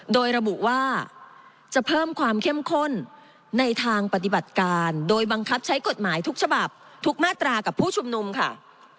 โดยระบุว่าจะเพิ่มความเข้มข้นในทางปฏิบัติการโดยบังคับใช้กฎหมายทุกฉบับทุกมาตรากับผู้ชุมนุมค่ะ